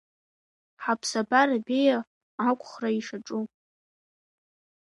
Ҳаԥсабара беиа ақәхра ишаҿу.